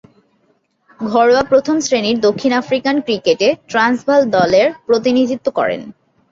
ঘরোয়া প্রথম-শ্রেণীর দক্ষিণ আফ্রিকান ক্রিকেটে ট্রান্সভাল দলের প্রতিনিধিত্ব করেন।